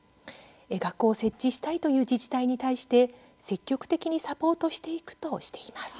学校を設置したいという自治体に対して積極的にサポートしていくとしています。